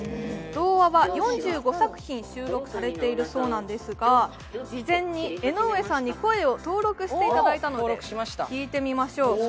童話は４５作品収録されているそうなんですが、事前に江上さんに声を登録していただきましたので聞いてみましょう。